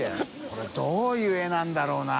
これどういう絵なんだろうな。